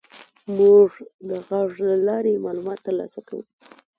موږ د غږ له لارې معلومات تر لاسه کوو.